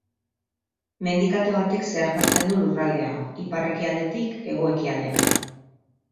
Mendi kate batek zeharkatzen du lurraldea ipar-ekialdetik hego-ekialdera.